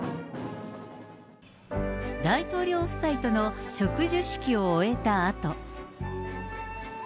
大統領夫妻との植樹式を終えたあと。